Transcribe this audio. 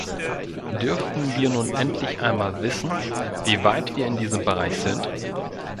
Dürften wir nun endlich einmal wissen, wie weit wir in diesem Bereich sind?